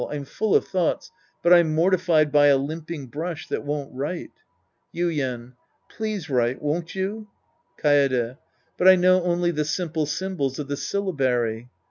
I'm full of thoughts, but I'm mortified by a limping brush that won't write. Yuien. Please write, won't you ? Kaede. But I know only the simple symbols of the syllabarj'.